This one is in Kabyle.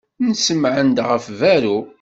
Nessemɛen-d ɣef berru.